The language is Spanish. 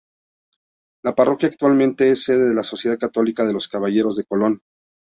La parroquia actualmente es sede de la sociedad católica de los Caballeros de Colón.